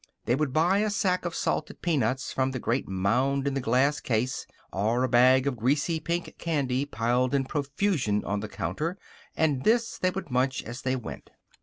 They would buy a sack of salted peanuts from the great mound in the glass case, or a bag of the greasy pink candy piled in profusion on the counter, and this they would munch as they went.